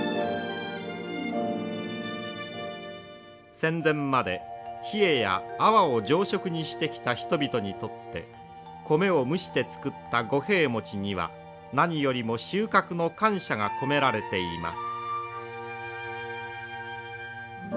戦前までヒエやアワを常食にしてきた人々にとって米を蒸して作った五平餅には何よりも収穫の感謝が込められています。